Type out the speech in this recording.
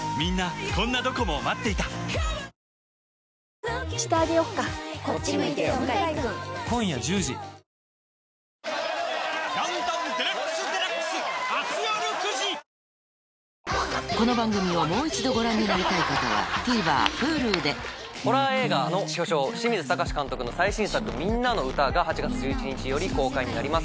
光のキッチンザ・クラッソこの番組をもう一度ご覧になりたい方はＴＶｅｒＨｕｌｕでホラー映画の巨匠清水崇監督の最新作『ミンナのウタ』が８月１１日より公開になります。